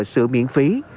sửa miễn phí